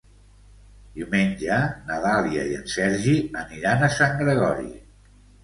Diumenge na Dàlia i en Sergi aniran a Sant Gregori.